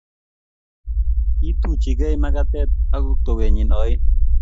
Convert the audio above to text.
Kituchekei makatet ak towenyi oin